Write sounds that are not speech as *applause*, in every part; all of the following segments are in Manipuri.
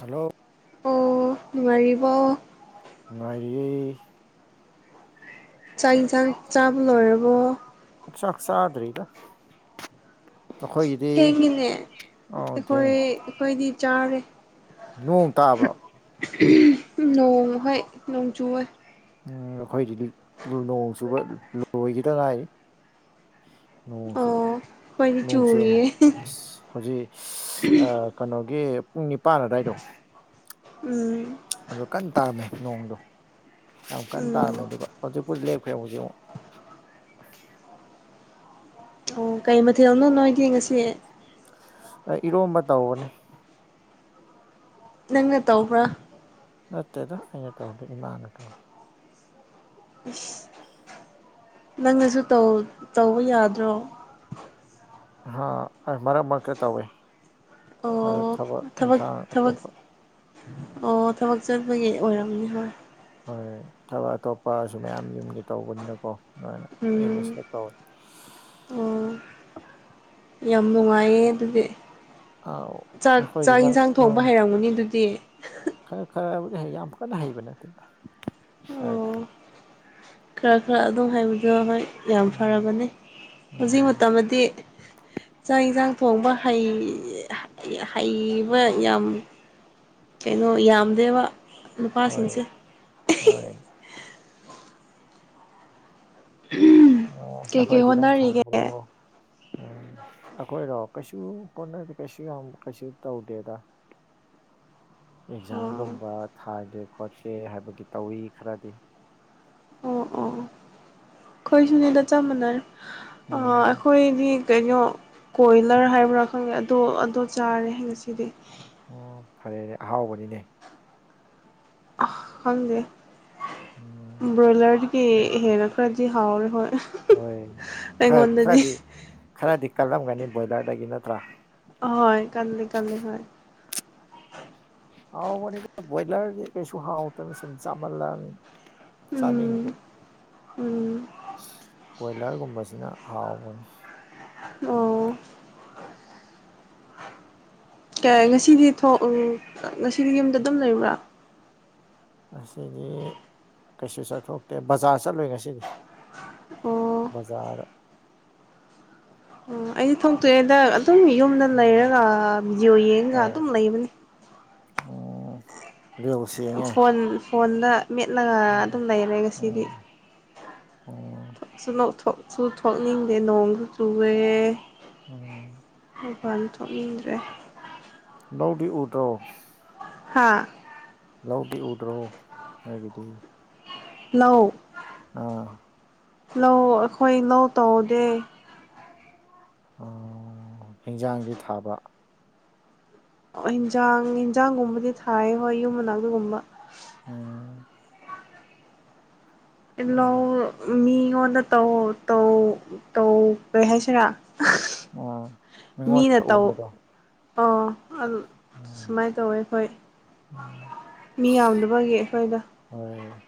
ꯍꯜꯂꯣ ꯑꯣ ꯅꯨꯡꯉꯥꯢꯔꯤꯕꯣ ꯅꯨꯡꯉꯥꯏꯔꯤꯌꯦ ꯆꯥꯛ ꯌꯦꯟꯁꯥꯡ ꯆꯥꯕ ꯂꯣꯏꯔꯕꯣ ꯆꯥꯛ ꯆꯥꯗ꯭ꯔꯤꯗ ꯑꯩꯈꯣꯏꯒꯤꯗꯤ ꯊꯦꯡꯉꯤꯅꯦ ꯑꯣ ꯊꯦꯡꯉꯦ ꯑꯩꯈꯣꯏ ꯑꯩꯈꯣꯏꯗꯤ ꯆꯥꯔꯦ ꯅꯣꯡ ꯇꯥꯕ꯭ꯔꯣ ꯅꯣꯡ ꯍꯣꯏ ꯅꯣꯡꯖꯨ ꯍꯣꯏ ꯎꯝ ꯑꯩꯈꯣꯏꯗꯤ ꯅꯣꯡ ꯆꯨꯕ ꯂꯣꯏꯒꯤꯗ ꯉꯥꯏꯔꯤ ꯅꯣꯡ ꯆꯨꯕ ꯑꯣ ꯑꯩꯈꯣꯏꯗꯤ ꯅꯣꯡ ꯆꯨ ꯆꯨꯔꯤꯌꯦ ꯑꯁ ꯍꯧꯖꯤꯛ ꯏꯁ ꯀꯩꯅꯣꯒꯤ ꯄꯨꯡ ꯅꯤꯄꯥꯟ ꯑꯗꯥꯏꯗ ꯎꯝ ꯑꯗꯨ ꯀꯟꯅ ꯇꯥꯔꯝꯃꯦ ꯅꯣꯡꯗꯣ ꯌꯥꯝ ꯀꯟꯅ ꯇꯥꯔꯝꯃꯦ ꯎꯝ ꯑꯗꯨꯒ ꯍꯧꯖꯤꯛꯄꯨ ꯂꯦꯞꯈ꯭ꯔꯦ ꯍꯧꯖꯤꯛꯐꯛ ꯑꯣ ꯀꯩ ꯃꯊꯦꯜꯅꯣ ꯅꯣꯣꯏꯗꯤ ꯉꯁꯤ ꯏꯣ ꯃ ꯇꯎꯅꯦ ꯅꯪꯅ ꯇꯧꯕ꯭ꯔꯥ ꯅꯠꯇꯦꯗ ꯑꯩꯅ ꯇꯧꯗꯦ ꯏꯃꯥꯅ ꯇꯧꯁꯤ ꯎ *inaudible* ꯅꯪꯅꯁꯨ ꯇꯧꯕ ꯌꯥꯗ꯭ꯔꯣ ꯍꯥꯥ ꯑꯃꯔ ꯃꯔꯔꯀꯠꯇꯋꯦ ꯑ ꯑꯣ ꯊꯕꯣ ꯊꯕꯛ ꯊꯕꯛ ꯑꯣ ꯊꯕꯛ ꯆꯠꯄꯒꯤ ꯑꯣꯏꯔꯝꯅꯤ ꯍꯣꯏ ꯍꯣꯏꯣꯏ ꯊꯕꯛ ꯑꯇꯣꯞꯄꯁꯨ ꯃꯌꯥꯝ ꯌꯨꯝꯒꯤ ꯇꯧꯕꯅꯤꯅꯀꯣ ꯑꯗꯨꯃꯥꯏꯅ ꯎꯝ ꯑꯦꯖꯁ ꯇꯧꯅꯤ ꯑꯣ ꯌꯥꯝ ꯅꯨꯡꯉꯥꯏꯌꯦ ꯑꯗꯨꯗꯤ ꯑꯥꯎ ꯆꯥꯛ ꯅꯈꯣꯏꯗꯤ ꯆꯥꯛ ꯅꯪ ꯌꯦꯟꯁꯥꯡ ꯊꯣꯡꯕ ꯅꯪ ꯍꯩꯔꯝꯒꯅꯤ ꯑꯗꯨꯗꯤ ꯈꯔ ꯈꯔꯕꯨꯗꯤ ꯍꯩ ꯌꯥꯝ ꯀꯟꯅ ꯍꯩꯕ ꯅꯠꯇꯦꯗ ꯑ ꯑꯣ ꯈꯔ ꯈꯔ ꯈꯔ ꯑꯗꯨꯝ ꯍꯩꯕꯗꯣ ꯍꯣꯏ ꯌꯥꯝ ꯎꯝ ꯐꯔꯕꯅꯤ ꯍꯧꯖꯤꯛ ꯎꯝ ꯃꯇꯝꯗꯤ ꯆꯥꯛ ꯌꯦꯟꯁꯥꯡ ꯊꯣꯡꯕ ꯍꯩꯕ ꯌꯥꯝ ꯀꯩꯅꯣ ꯌꯥꯝꯗꯦꯕ ꯍꯣꯏ ꯅꯨꯄꯥꯁꯤꯡꯁꯦ ꯍꯣꯏ ꯑꯣ ꯀꯩꯀꯩ ꯅꯈꯣꯏꯗꯤ ꯅꯪ ꯍꯣꯠꯅꯔꯤꯒꯦ ꯊꯣꯡꯕ꯭ꯔꯣ ꯎꯝ ꯑꯩꯈꯣꯏꯔꯣ ꯀꯩꯁꯨ ꯍꯣꯠꯅꯗꯦ ꯀꯩꯁꯨ ꯌꯥꯝ ꯀꯩꯁꯨ ꯇꯧꯗꯦꯗ ꯑꯣ ꯑꯦꯛꯖꯥꯝꯒꯨꯝꯕ ꯊꯥꯒꯦ ꯈꯣꯠꯀꯦ ꯍꯥꯏꯕꯒꯤ ꯇꯧꯋꯤ ꯈꯔꯗꯤ ꯑꯣ ꯑꯣ ꯑꯣ ꯑꯩꯈꯣꯏꯁꯨꯅꯦꯗ ꯆꯞ ꯃꯥꯟꯅꯔꯦ ꯑ ꯎꯝ ꯑꯩꯈꯣꯏꯗꯤ ꯀꯩꯅꯣ ꯀꯣꯏꯂꯔ ꯍꯥꯏꯕ꯭ꯔꯥ ꯈꯪꯉꯦ ꯑꯗꯣ ꯑꯗꯣ ꯆꯥꯔꯦ ꯉꯁꯤꯗꯤ ꯑꯣ ꯐꯔꯦꯅꯦ ꯑꯍꯥꯎꯕꯅꯤꯅꯦ ꯈꯪꯗꯦ ꯎꯝ ꯕ꯭ꯔꯣꯌꯂꯔꯗꯤ ꯀ ꯍꯦꯟꯅ ꯈ꯭ꯔꯗꯤ ꯍꯥꯎꯔꯦ ꯍꯣꯏ ꯍꯣꯏ ꯈꯔ ꯑꯩꯉꯣꯟꯗꯗꯤ ꯈꯔꯗꯤ ꯈꯔꯗꯤ ꯀꯜꯂꯝꯒꯅꯤ ꯕꯣꯏꯂꯔꯗꯒꯤ ꯅꯠꯇ꯭ꯔꯥ ꯑꯍꯣꯏ ꯀꯟꯗꯤ ꯀꯜꯋ *inaudible* ꯍꯣꯏ ꯍꯥꯎ ꯃꯅꯤꯗꯥ ꯕꯣꯏꯂꯔꯗꯤ ꯀꯩꯁꯨ ꯍꯥꯥꯎ ꯇꯕꯅꯦ ꯁꯨꯝ ꯆꯥꯃꯟꯂꯛ ꯑꯥꯕꯅꯤꯅꯥ ꯆꯥꯅꯤꯡꯗꯦ ꯎꯝ ꯎꯝ ꯀꯣꯏꯂꯔꯒꯨꯝꯕꯁꯤꯅ ꯍꯥꯎꯕꯅꯤ ꯑꯣ ꯀ ꯉꯁꯤꯗꯤ ꯊꯣꯛ ꯎꯪ ꯉꯁꯤꯗꯤ ꯌꯨꯝꯗ ꯑꯗꯨꯝ ꯂꯩꯕ꯭ꯔꯥ ꯉꯁꯤꯗꯤ ꯀꯩꯁꯨ ꯆꯠꯊꯣꯛꯇꯦ ꯕꯥꯖꯔ ꯆꯠꯂꯨꯏ ꯉꯁꯤꯗꯤ ꯑꯣ ꯕꯖꯥꯔꯗꯥ ꯑꯣ ꯑꯩꯗꯤ ꯊꯣꯛꯇꯦꯗ ꯑꯗꯨꯝ ꯌꯨꯝꯗ ꯂꯩꯔꯒ ꯕꯤꯗꯤꯑꯣ ꯌꯦꯡꯉꯒ ꯑꯗꯨꯝ ꯂꯩꯕꯅꯦ ꯑꯣ ꯑꯗꯨꯒ ꯐꯣꯟ ꯐꯣꯟꯗ ꯃꯦꯠꯂꯒ ꯑꯗꯨꯝ ꯂꯩꯔꯦ ꯉꯁꯤꯗꯤ ꯎꯝ ꯎꯝ ꯊꯣꯛ ꯁꯨꯅꯣꯛ ꯊꯣꯛꯁꯨ ꯊꯣꯛꯅꯤꯡꯗꯦ ꯅꯣꯡꯗꯨ ꯆꯨꯨꯔꯦ ꯎꯝ ꯃꯄꯥꯟ ꯊꯣꯛꯅꯤꯡꯗ꯭ꯔꯦ ꯅꯧꯗꯤ ꯎꯊꯣ ꯍꯥꯥ ꯂꯧꯗꯤ ꯎꯗ꯭ꯔꯣ ꯅꯣꯏꯒꯤꯗꯤ ꯂꯧ ꯑꯥ ꯂꯧ ꯑꯩꯈꯣꯏ ꯂꯧ ꯇꯧꯗꯦ ꯑꯣ ꯍꯤꯟꯖꯥꯡꯗꯤ ꯊꯥꯕ ꯑꯣ ꯏꯟꯖꯥꯡ ꯌꯦꯟꯖꯥꯡꯒꯨꯝꯕꯗꯤ ꯊꯥꯏ ꯍꯣꯏ ꯌꯨꯝ ꯃꯅꯥꯛ ꯑꯗꯨꯒꯨꯝꯕꯥ ꯎꯝ ꯇꯤꯜꯂꯣ ꯍꯣꯏꯗ ꯃꯤꯉꯣꯟꯗ ꯇꯧ ꯇꯧ ꯇꯧ ꯀꯔꯤ ꯍꯥꯏꯁꯤꯔꯥ ꯑꯥ ꯃꯤꯅ ꯃꯤꯉꯣꯟꯗ ꯇꯧ ꯎꯍꯟꯕꯗꯣ ꯑ ꯑꯗꯨ ꯎꯝ ꯁꯨꯃꯥꯏ ꯇꯧꯋꯦ ꯑꯩꯈꯣꯏ ꯃꯤ ꯌꯥꯝꯗꯕꯒꯤ ꯑꯩꯈꯣꯏꯗꯣ ꯍꯣꯏ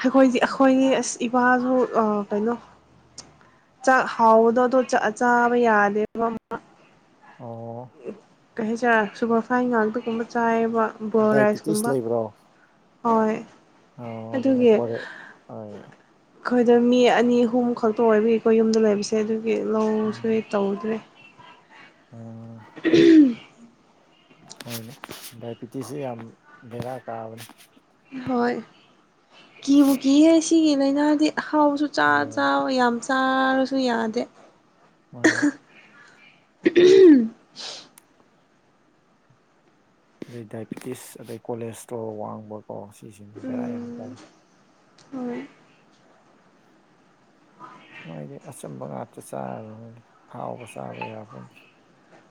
ꯑꯩꯈꯣꯏꯗꯤ ꯑꯩꯈꯣꯏꯅꯤ ꯑꯁ ꯏꯄꯥꯖꯨ ꯑ ꯀꯩꯅꯣ ꯆꯥꯛ ꯍꯥꯎꯗꯗꯣ ꯑꯗꯨ ꯆꯥ ꯆꯥꯕ ꯌꯥꯗꯦꯕ ꯃꯥ ꯑꯣ ꯀꯩ ꯍꯥꯏꯁꯤꯔꯥ ꯁꯨꯕꯔ ꯐꯥꯏꯟ ꯉꯥꯛꯇ ꯒꯨꯝꯕ ꯆꯥꯏꯌꯦꯕ ꯕꯣꯔ ꯗꯥꯏꯕꯤꯇꯤꯁ ꯔꯥꯏꯁꯀꯨꯝꯕ ꯂꯩꯕ꯭ꯔꯣ ꯍꯣꯏ ꯑ ꯑꯗꯨꯅꯦ ꯑꯗꯨꯒꯤ ꯐꯣꯔꯦ ꯍꯣꯏ ꯑꯩꯈꯣꯏꯗ ꯃꯤ ꯑꯅꯤ ꯑꯍꯨꯝ ꯈꯛꯇ ꯑꯣꯏꯕꯒꯤ ꯑꯩꯀꯣꯏ ꯌꯨꯝꯗ ꯂꯩꯕꯁꯦ ꯑꯗꯨꯒꯤ ꯂꯧꯁꯦ ꯇꯧꯗ꯭ꯔꯦ ꯑꯣ ꯗꯥꯏꯕꯤꯇꯤꯁꯁꯦ ꯌꯥꯝ ꯕꯦꯔꯥ ꯀꯥꯕꯅꯤ ꯍꯣꯏ ꯀꯤꯕꯨ ꯀꯤꯍꯦ ꯁꯤꯒꯤ ꯂꯥꯏꯅꯥꯗꯤ ꯍꯥꯎꯕꯁꯨ ꯆ ꯎꯝ ꯆꯥꯎ ꯌꯥꯝ ꯆꯥꯔꯁꯨ ꯌꯥꯗꯦ ꯃꯥꯅꯤ ꯎꯝ ꯑꯗꯩ ꯗꯥꯏꯕꯤꯇꯤꯁ ꯑꯗꯩ ꯀꯣꯂꯦꯁꯇ꯭ꯔꯣꯜ ꯋꯥꯡꯕꯀꯣ ꯁꯤꯁꯤꯡꯁꯦ ꯕꯦꯔꯥ ꯌꯥꯝ ꯎꯝ ꯀꯥꯏꯋꯦ ꯍꯣꯏ ꯃꯣꯏꯗꯤ ꯑꯆꯨꯝꯕ ꯉꯥꯛꯇ ꯆꯥꯔꯕꯅꯤꯅ ꯑꯍꯥꯎꯕ ꯆꯥꯕ ꯌꯥꯕꯗꯤ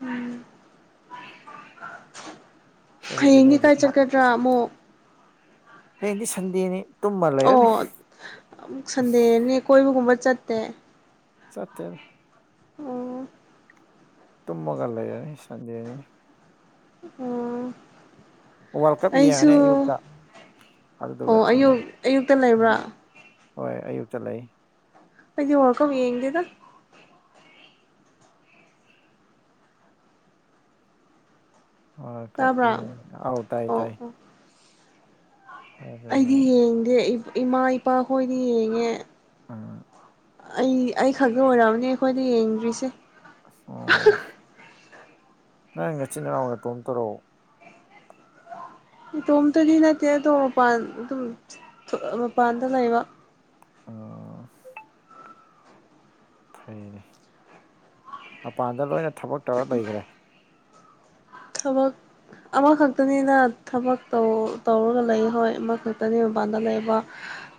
ꯎꯝ ꯑꯁ ꯑꯗꯨꯗꯤ ꯍꯌꯦꯡꯗꯤ ꯅꯣꯏꯗꯤ ꯀꯥꯏ ꯆꯠꯀꯗ꯭ꯔꯥ ꯑꯃꯨꯛ ꯍꯗꯤ ꯁꯟꯗꯦꯅꯤ ꯇꯨꯝꯃ ꯂꯩꯔꯅꯤ ꯑꯣ ꯁꯟꯗꯦꯅꯦ ꯀꯣꯏꯕꯒꯨꯝꯕ ꯆꯠꯇꯦ ꯆꯇꯔ ꯑꯣ ꯇꯨꯝꯃꯒꯥ ꯂꯩꯔꯅꯤ ꯁꯟꯗꯦꯅꯤꯅꯥ ꯑꯣ ꯋꯥꯔꯜ ꯀꯞ ꯑꯩꯁꯨ ꯌꯦꯡꯉꯅꯤ ꯑꯌꯨꯛꯇ ꯑꯗꯨꯗꯨꯒ ꯑꯣ ꯑꯌꯨꯛ ꯇꯨꯝꯃꯅꯤ ꯑꯌꯨꯛꯇ ꯎꯝ ꯂꯩꯕ꯭ꯔꯥ ꯍꯣꯏ ꯑꯌꯨꯛꯇ ꯂꯩ ꯑꯩꯩ ꯋꯥ ꯀꯃꯤ *inaudible* ꯌꯦꯟꯗꯦꯗꯥ ꯑ ꯀꯔꯤ ꯇꯥꯕ꯭ꯔꯥ ꯑꯧ ꯇꯥꯏꯌꯦ ꯑꯣ ꯇꯥꯏꯌꯦ ꯑꯣ ꯑꯗꯨꯅꯤ ꯑꯩꯗꯤ ꯌꯦꯡꯗꯦ ꯏꯃꯥ ꯏꯄꯥ ꯍꯣꯏꯗꯤ ꯌꯦꯡꯉꯦ ꯑꯥ ꯑꯩ ꯑꯩ ꯈꯛꯒ ꯑꯣꯏꯔꯛꯑꯅꯤ ꯑꯩꯈꯣꯏꯅ ꯌꯦꯡꯗ꯭ꯔꯤꯁꯦ ꯑꯣ ꯅꯪ ꯅꯆꯤꯅ ꯑꯣꯏꯅ ꯇꯣꯝ ꯇꯧꯔꯛꯑꯣ ꯏꯇꯣꯝꯇꯗꯤ ꯅꯠꯇꯦ ꯑꯗꯣ ꯃꯄꯥꯟ ꯑꯗꯨꯝ ꯃꯄꯥꯟꯗ ꯂꯩꯕ ꯑꯣ ꯐꯩꯅꯦ ꯃꯄꯥꯟꯗ ꯂꯣꯏꯅ ꯊꯕꯛ ꯇꯧꯔ ꯂꯩꯈ꯭ꯔꯦ ꯊꯕꯛ ꯑꯃꯈꯛꯇꯅꯤꯅ ꯊꯕꯛꯧ ꯇꯧꯔꯒ ꯂꯩ ꯍꯣꯏ ꯑꯃꯈꯛꯇꯅꯤ ꯃꯄꯥꯟꯗ ꯂꯩꯕ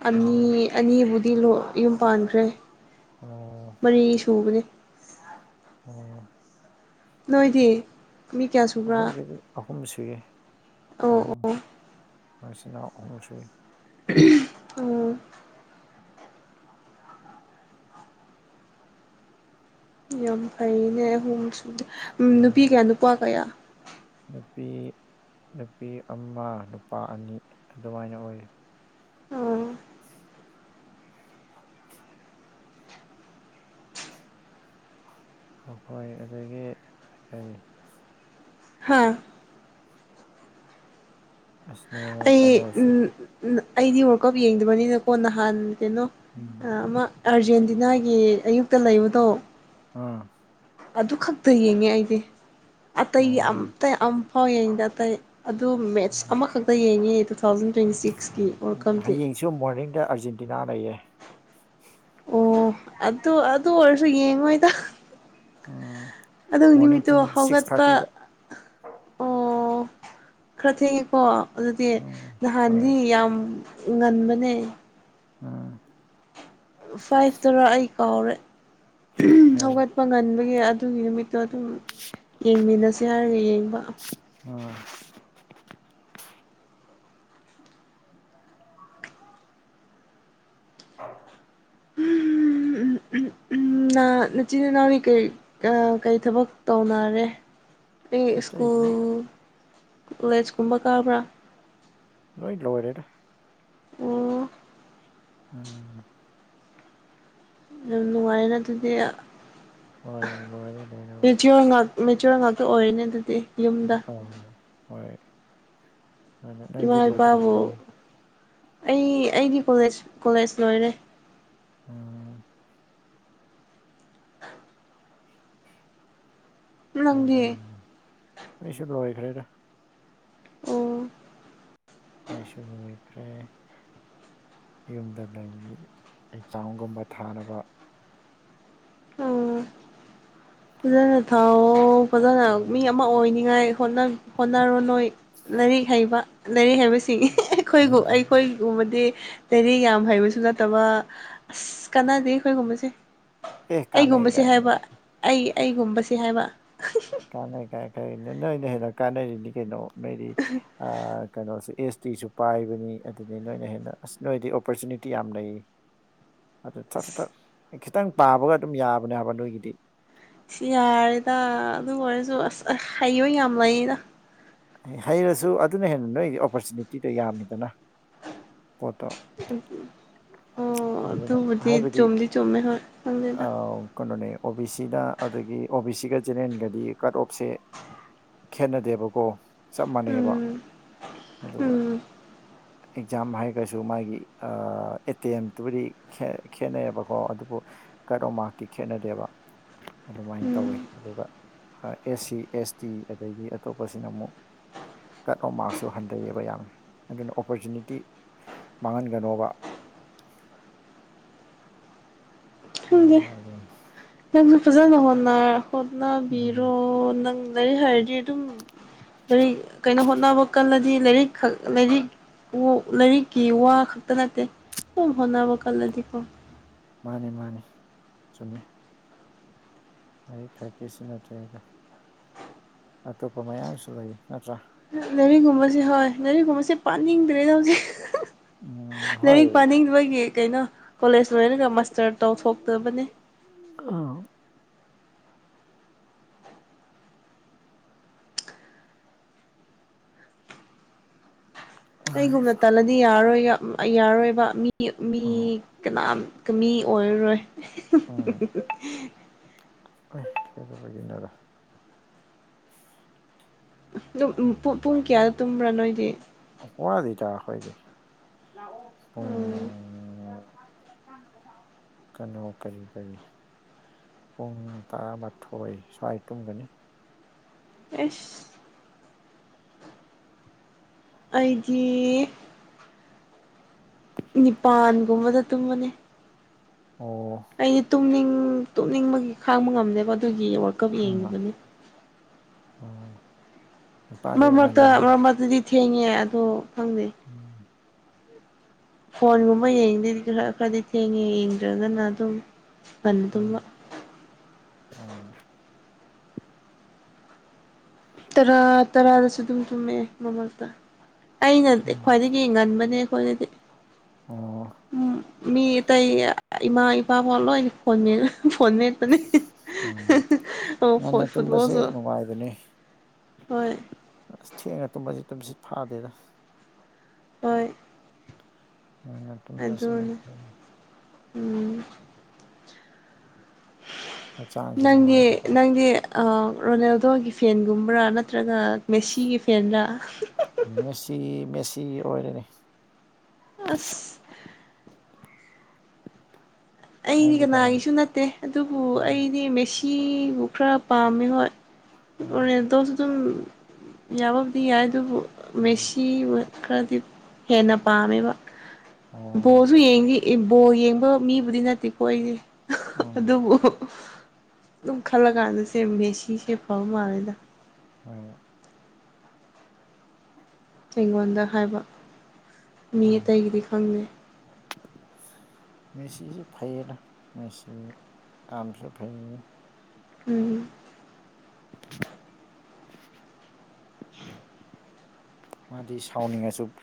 ꯑꯅꯤ ꯎꯝ ꯑꯅꯤꯕꯨꯗꯤ ꯌꯨꯝ ꯄꯥꯟꯈ꯭ꯔꯦ ꯑꯣ ꯃꯔꯤ ꯁꯨꯕꯅꯤ ꯑꯣ ꯅꯣꯏꯗꯤ ꯃꯤ ꯀꯌꯥ ꯁꯨꯕ꯭ꯔꯥ ꯑꯩꯈꯣꯏꯒꯤꯗꯤ ꯑꯍꯨꯝ ꯁꯨꯏ ꯑꯣ ꯑꯍꯨꯝ ꯑꯣ ꯃꯆꯤꯟꯅꯥꯎ ꯑꯍꯨꯝ ꯁꯨꯏ ꯎꯝ ꯌꯥꯝ ꯐꯩꯅꯦ ꯑꯍꯨꯝ ꯁ ꯎꯝ ꯅꯨꯄꯤ ꯀꯌꯥ ꯅꯨꯄꯥ ꯀꯌꯥ ꯅꯨꯄꯤ ꯅꯨꯄꯤ ꯑꯃ ꯅꯨꯄꯥ ꯑꯅꯤ ꯑꯗꯨꯃꯥꯏꯅ ꯑꯣꯏ ꯑꯣ *inaudible* ꯑꯩꯈꯣꯏ ꯑꯗꯨꯗꯒꯤ ꯀꯔꯤ ꯍꯥꯥ ꯑꯁꯅꯣ ꯑꯩ ꯑꯩꯗꯤ ꯋꯥꯔꯀꯞ ꯌꯦꯡꯗꯕꯅꯤꯅꯀꯣ ꯅꯍꯥꯟ ꯀꯩꯅꯣ ꯎꯝ ꯑꯃ ꯑꯥꯔꯖꯦꯟꯇꯤꯅꯥꯒꯤ ꯑꯌꯨꯛꯇ ꯂꯩꯕꯗꯣ ꯑꯥ ꯑꯗꯨꯈꯛ ꯇ ꯌꯦꯡꯉꯦ ꯑꯩꯗꯤ ꯑꯇꯩꯒꯤ ꯑꯣ ꯑꯇ ꯑꯃꯝꯐꯥꯎ ꯌꯦꯡꯉꯤꯗ ꯑꯇꯩ ꯑꯗꯨ ꯃꯦꯠꯁ ꯑꯃꯈꯛꯇ ꯌꯦꯡꯉꯤ ꯇꯨ ꯊꯥꯎꯖꯟ ꯇ꯭ꯋꯦꯟꯇꯤ ꯁꯤꯛꯁꯀꯤ ꯑꯣꯔꯈꯝꯁꯦ ꯁꯨ ꯃꯣꯔꯅꯤꯡꯗ ꯑꯥꯔꯖꯦꯟꯇꯤꯅꯥ ꯂꯩꯌꯦ ꯑꯣ ꯑꯗꯨ ꯑꯗꯨ ꯑꯣꯏꯔꯁꯨ ꯌꯦꯡꯉꯣꯏꯗ ꯎꯝ ꯑꯗꯨ ꯃꯣꯔꯅꯤꯡ ꯅꯨꯃꯤꯠꯇꯨ ꯄꯨꯡ ꯁꯤꯛꯁ ꯍꯧꯒꯠꯄ ꯊꯥꯔꯇꯤꯗ ꯑꯣ ꯈꯔ ꯊꯦꯡꯉꯦꯀꯣ ꯑꯗꯨꯗꯤ ꯎꯝ ꯍꯣꯏ ꯅꯍꯥꯟꯗꯤ ꯌꯥꯝ ꯉꯟꯕꯅꯦ ꯎꯝ ꯐꯥꯏꯚꯇꯔ ꯑꯩ ꯀꯥꯎꯔꯦ ꯍꯣꯏ ꯍꯧꯒꯠꯄ ꯉꯟꯕꯒꯤ ꯑꯗꯨꯒꯤ ꯅꯨꯃꯤꯠꯇꯣ ꯑꯗꯨꯝ ꯌꯦꯡꯃꯤꯟꯅꯁꯦ ꯍꯥꯏꯔꯒ ꯌꯦꯡꯕ ꯑꯥ ꯑ *unintelligible* ꯏꯆꯤꯟ ꯏꯅꯥꯎꯒꯤ ꯀꯔꯤ ꯊꯕꯛ ꯇꯧꯅꯔꯦ ꯀꯩ ꯁ꯭ꯀꯨꯜ ꯑꯇꯩꯗꯤ ꯀꯣꯂꯦꯖ ꯀꯨꯝꯕ ꯀꯥꯕ꯭ꯔꯥ ꯂꯣꯏ ꯂꯣꯏꯔꯦꯗ ꯑꯣ ꯎꯝ ꯌꯥꯝ ꯅꯨꯡꯉꯥꯏꯔꯦꯅ ꯑꯗꯨꯗꯤ ꯍꯣꯏ ꯂꯣꯏꯔꯦ ꯂꯣꯏꯅꯕ ꯕꯤꯗꯤ ꯉꯥꯛ ꯃꯦꯆꯔꯦꯜ ꯉꯥꯛꯇ ꯑꯣꯏꯅ ꯑꯗꯨꯗꯤ ꯌꯨꯝꯗ ꯑꯥ ꯍꯣꯏ ꯑꯗꯨ ꯅꯪꯗꯤ ꯏꯃꯥ ꯂꯣꯏꯗ꯭ꯔꯤꯕꯣ ꯏꯄꯥꯕꯨ ꯑꯩ ꯑꯩꯒꯤ ꯀꯣꯂꯦꯖ ꯀꯣꯂꯦꯖ ꯂꯣꯏꯔꯦ ꯎꯝ ꯑꯗꯨ ꯅꯪꯗꯤ ꯑꯩꯁꯨ ꯂꯥꯏꯈ꯭ꯔꯦꯗ ꯑꯣ ꯑꯩꯁꯨ ꯂꯣꯢꯈ꯭ꯔꯦ ꯌꯨꯝꯗ ꯂꯩ ꯑꯦꯛꯖꯥꯡꯒꯨꯝꯕ ꯊꯥꯅꯕ ꯑꯣ ꯐꯖꯅ ꯊꯥꯎ ꯐꯖꯅ ꯃꯤ ꯑꯃ ꯑꯣꯏꯅꯤꯡꯉꯥꯏ ꯍꯣꯠꯅꯔꯣ ꯅꯣꯏ ꯂꯥꯏꯔꯤꯛ ꯍꯩꯕ ꯂꯥꯏꯔꯤꯛ ꯍꯩꯕꯁꯤꯡ ꯑꯩꯈꯣꯏꯕꯨ ꯑꯩꯈꯣꯏ ꯒꯨꯝꯕꯗꯤ ꯂꯩꯔꯤꯛ ꯌꯥꯝ ꯍꯩꯕꯁꯨ ꯅꯠꯇꯕ ꯑꯁ ꯀꯥꯟꯅꯗꯦ ꯑꯩꯈꯣꯏꯒꯨꯝꯕꯁꯦ ꯑꯦ ꯀꯥꯟꯅꯩ ꯑꯩꯒꯨꯝꯕꯁꯦ ꯀꯥꯏꯅ ꯍꯥꯏꯕ ꯑꯩ ꯑꯩꯒꯨꯝꯕꯕꯁꯤ ꯍꯥꯏꯕ ꯀꯥꯟꯅꯩ ꯀꯥꯏ ꯀꯥꯏ ꯅꯣꯏꯅ ꯍꯦꯟꯅ ꯀꯥꯟꯅꯔꯤꯅꯤ ꯀꯩꯅꯣ ꯅꯣꯏꯗꯤ ꯀꯩꯅꯣꯁꯨ ꯑꯦꯁ ꯇꯤꯁꯨ ꯄꯥꯏꯕꯅꯤ ꯑꯗꯨꯗꯤ ꯅꯣꯏꯅ ꯍꯦꯟꯅ ꯑꯁ ꯅꯣꯏꯗꯤ ꯑꯣꯄꯣꯔꯆꯨꯅꯤꯇꯤ ꯌꯥꯝ ꯂꯩ *unintelligible* ꯑꯗꯨ ꯊꯠ ꯈꯤꯇꯪ ꯄꯥꯕꯒ ꯑꯗꯨꯝ ꯌꯥꯕꯅꯦ ꯍꯥꯏꯕ ꯅꯣꯏꯒꯤꯗꯤ ꯁꯤ ꯌꯥꯔꯦꯗ ꯑꯗꯨ ꯑꯣꯏꯔꯁꯨ ꯑꯁ ꯑꯁ ꯍꯩꯕ ꯌꯥꯝ ꯂꯩꯗ ꯍꯩꯔꯁꯨ ꯑꯗꯨꯅ ꯍꯦꯟꯅ ꯅꯣꯏꯒꯤ ꯑꯣꯄꯣꯔꯆꯨꯅꯤꯇꯤꯗꯣ ꯌꯥꯝꯃꯤꯗꯅ ꯄꯣꯠꯇꯣ ꯑꯣ ꯑꯗꯨꯅ ꯑꯗꯨꯕꯨꯗꯤ ꯍꯥꯏꯕꯗꯤ ꯆꯨꯝꯗꯤ ꯆꯨꯝꯃꯦ ꯍꯣꯢ ꯈꯪꯗꯦꯗ ꯑꯥ ꯀꯩꯅꯣꯅꯦ ꯑꯣ ꯕꯤ ꯁꯤꯒ ꯑꯗꯒꯤ ꯑꯣ ꯕꯤ ꯁꯤꯒ ꯖꯦꯅꯔꯦꯟꯒꯗꯤ ꯀꯥꯠ ꯑꯣꯞꯁꯦ ꯈꯦꯠꯅꯗꯦꯕꯀꯣ ꯆꯞ ꯃꯥꯟꯅꯩꯑꯦꯕ ꯎꯝ ꯑꯗꯨꯒ ꯎꯝ ꯑꯦꯛꯖꯥꯝ ꯍꯥꯏꯔꯒꯁꯨ ꯃꯥꯒꯤ ꯑꯦ ꯇꯤ ꯑꯦꯝ ꯇꯕꯨꯗꯤ ꯈꯦꯠꯅꯩꯕꯀꯣ ꯑꯗꯨꯕꯨ ꯀꯥꯠ ꯑꯣꯞ ꯃꯥꯛꯇꯤ ꯈꯦꯠꯅꯗꯦꯕ ꯑꯗꯨꯃꯥꯏꯅ ꯎꯝ ꯇꯧꯋꯤ ꯑꯗꯨꯒ ꯑꯦꯁ ꯁꯤ ꯑꯦꯁ ꯇꯤ ꯑꯗꯒꯤ ꯑꯇꯣꯞꯄꯁꯤꯅ ꯑꯃꯨꯛ ꯀꯥꯠ ꯑꯣꯟ ꯃꯥꯛꯁꯨ ꯍꯟꯊꯩꯌꯦꯕ ꯌꯥꯝꯅ ꯑꯗꯨꯅ ꯑꯣꯄꯣꯔꯆꯨꯅꯤꯇꯤ ꯃꯥꯡꯍꯟꯒꯅꯣꯕ ꯈꯪꯗꯦ ꯅꯪꯁꯨ ꯐꯖꯅ ꯎꯝ ꯍꯣꯠꯅꯕꯤꯔꯣ ꯅꯪ ꯂꯥꯏꯔꯤꯛ ꯍꯩꯔꯗꯤ ꯑꯗꯨꯝ ꯂꯥꯏꯔꯤꯛ ꯀꯩꯅꯣ ꯍꯣꯠꯅꯕ ꯀꯜꯂꯗꯤ ꯂꯥꯏꯔꯤꯛ ꯈꯛ ꯂꯥꯏꯔꯤꯛ ꯂꯥꯏꯔꯤꯛꯀꯤ ꯋꯥ ꯈꯛꯇ ꯅꯠꯇꯦ ꯁꯨꯝ ꯍꯣꯠꯅꯕ ꯀꯜꯂꯗꯤꯀꯣ ꯃꯥꯅꯤ ꯃꯥꯅꯤ ꯆꯨꯝꯃꯦ ꯂꯥꯢꯔꯥꯛ ꯈꯥꯛꯒꯤ ꯁꯨ ꯅꯠꯇꯦ ꯑꯗꯣ ꯑꯇꯣꯞꯄ ꯃꯌꯥꯝꯁꯨ ꯂꯩ ꯅꯠꯇ꯭ꯔꯥ ꯂꯔꯤꯛꯒꯨꯝꯕꯁꯦ ꯍꯣꯏ ꯂꯥꯏꯔꯤꯛ ꯀꯨꯝꯕꯁꯦ ꯄꯥꯅꯤꯡꯗ꯭ꯔꯦꯗ ꯍꯧꯖꯤꯛ ꯎꯝ ꯍꯣꯏ ꯂꯥꯏꯔꯤꯛ ꯄꯥꯅꯤꯡꯗꯕꯒꯤ ꯀꯩꯅꯣ ꯀꯣꯂꯦꯖ ꯂꯣꯏꯅꯒ ꯃꯥꯁꯇꯔ ꯇꯧꯊꯣꯛꯇꯕꯅꯤ ꯑꯥ ꯑꯩꯒꯨꯝꯅ ꯇꯜꯂꯗꯤ ꯌꯥꯔꯣꯏ ꯌꯥꯔꯣꯏꯕ ꯃꯤ ꯃꯤ ꯎꯝ ꯀꯅꯥꯝ ꯃꯤ ꯑꯣꯏꯔꯔꯣꯏ ꯎꯝꯕꯅꯔ *inaudible* ꯄꯨꯡ ꯀꯌꯥꯗ ꯇꯨꯝꯕ꯭ꯔꯥ ꯅꯣꯏꯗꯤ ꯋꯥꯠꯂꯤꯗ ꯈꯣꯏꯗꯤ ꯎꯝ ꯄꯨꯡ ꯀꯩꯅꯣ ꯀꯔꯤ ꯀꯔꯤ ꯄꯨꯡ ꯇꯔꯥꯃꯥꯊꯣꯏ ꯁ꯭ꯋꯥꯏ ꯇꯨꯝꯒꯅꯤ ꯑꯁ ꯑꯩꯗꯤ ꯅꯤꯄꯥꯟꯒꯨꯝꯕꯗ ꯇꯨꯝꯕꯅꯤ ꯑꯣ ꯑꯩꯗꯤ ꯇꯨꯝꯅꯤꯡ ꯇꯨꯝꯅꯤꯡꯕꯒꯤ ꯈꯥꯡꯕ ꯉꯝꯗꯦꯕ ꯑꯗꯨꯒꯤ ꯀꯞ ꯑꯪ ꯌꯦꯡꯉꯤꯕꯅꯤ ꯑꯣ ꯃꯔ ꯃꯔꯛꯇ ꯃ ꯃꯔꯛꯇꯗꯤ ꯊꯦꯡꯉꯦ ꯑꯣ ꯈꯪꯗꯦ ꯎꯝ ꯐꯣꯟꯒꯨꯝꯕ ꯌꯦꯡꯗꯗꯤ ꯈꯔ ꯈꯔꯗꯤ ꯊꯦꯡꯉꯦ ꯌꯦꯡꯗ꯭ꯔꯒꯅ ꯑꯗꯨꯝ ꯉꯟꯅ ꯑ ꯇꯨꯝꯕ ꯑ ꯇꯔꯥ ꯇꯔꯥꯗꯁꯨ ꯑꯗꯨꯝ ꯆꯨꯝꯃꯛꯑꯦ ꯃꯃꯛꯇ ꯑꯩꯅ ꯎꯝ ꯈ꯭ꯋꯥꯏꯗꯒꯤ ꯉꯟꯕꯅꯦ ꯑꯩꯈꯣꯏꯗꯗꯤ ꯑꯣ ꯎꯝ ꯃꯤ ꯇꯇꯩ ꯏꯃꯥ ꯏꯄꯥꯥ ꯀꯂꯣ ꯐ ꯐꯣꯟꯄꯅꯤ ꯎꯝ ꯉꯟꯅ ꯇꯨꯝꯕꯁꯦ ꯐꯨꯠꯕꯜꯁꯨ ꯅꯨꯡꯉꯥꯏꯕꯅꯦ ꯍꯣꯏ ꯑꯁ ꯊꯦꯡꯉ ꯇꯨꯝꯕꯁꯤ ꯇꯨꯝ ꯁꯤꯠ ꯐꯥꯗꯦꯗ ꯍꯣꯏ *unintelligible* ꯑꯗꯨꯅ ꯐꯩ ꯎꯝ ꯍꯛꯆꯥꯡꯁꯨ ꯅꯪꯗꯤ ꯅꯨꯡꯉꯥꯏꯕꯀꯣ ꯅꯪꯗꯤ ꯔꯣꯅꯦꯜꯗꯣꯒꯤ ꯐꯦꯟꯒꯨꯝꯕ꯭ꯔꯥ ꯅꯠꯇ꯭ꯔꯒ ꯃꯦꯁꯤꯒꯤ ꯐꯦꯟꯗ ꯃꯦꯁꯤ ꯃꯦꯁꯤ ꯑꯣꯏꯔꯅꯤ ꯑꯁ ꯑꯩꯗꯤ ꯅꯪꯗꯤ ꯀꯅꯥ ꯀꯅꯥꯒꯤꯁꯨ ꯅꯠꯇꯦ ꯑꯗꯨꯕꯨ ꯎꯝ ꯑꯩꯗꯤ ꯃꯦꯁꯤꯕꯨ ꯈꯔ ꯄꯥꯝꯃꯦ ꯍꯣꯏ ꯎꯝ ꯗꯣꯁꯨ ꯑꯗꯨꯝ ꯌꯥꯕꯕꯨꯗꯤ ꯌꯥꯏ ꯑꯗꯨꯕꯨ ꯎꯝ ꯃꯦꯁꯤ ꯈꯔꯗꯤ ꯍꯦꯟꯅ ꯄꯥꯝꯃꯦꯕ ꯑꯣ ꯕꯣꯜꯁꯨ ꯌꯦꯡꯈꯤ ꯕꯣꯜ ꯌꯦꯡꯕ ꯃꯤ ꯕꯨꯗꯤ ꯅꯠꯇꯦ ꯀꯣꯏꯔꯤ ꯎꯝ ꯑꯗꯨꯕꯨ ꯑꯗꯨꯝ ꯈꯜꯂ ꯀꯥꯟꯗ ꯁꯦ ꯃꯕꯦꯁꯤꯁꯦ ꯐꯕ ꯃꯥꯜꯂꯦꯗ ꯍ ꯑꯩꯤꯡꯒꯣꯗ ꯍꯥꯏꯕ ꯃꯤ ꯎꯝ ꯑꯇꯩꯒꯤꯗꯤ ꯈꯪꯗꯦ *unintelligible* ꯃꯦꯁꯤꯁꯨ ꯐꯩꯌꯦꯗ ꯃꯦꯁꯤ ꯑꯝꯁꯨ ꯐꯩ ꯎꯝ ꯑ ꯃꯥꯗꯤ ꯁꯥꯎꯅꯤꯡꯉꯁꯨ